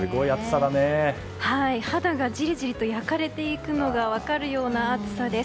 肌がじりじりと焼かれていくのが分かるような暑さです。